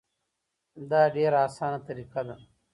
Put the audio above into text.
دا ډیره اسانه طریقه ده.